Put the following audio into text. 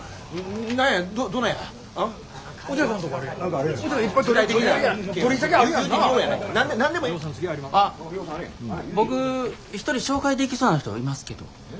あっ僕一人紹介できそうな人いますけど。